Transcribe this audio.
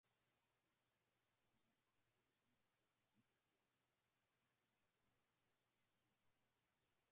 ya kununua usafiri mpya wa gari la kifahari aina ya Range Rover Evoque Jose